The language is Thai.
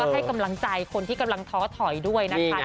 ให้กำลังใจคนที่กำลังท้อถอยด้วยนะคะ